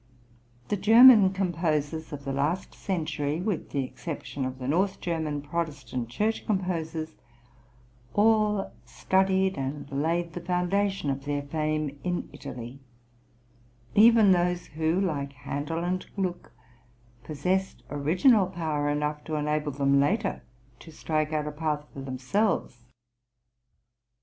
The German {LEOPOLD' MOZART'S HOPES.} (105) composers of the last century (with the exception of the North German Protestant church composers) all studied and laid the foundation of their fame in Italy, even those who, like Handel and Gluck, possessed original power enough to enable them later to strike out a path for themselves.